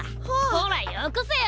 ほらよこせよ。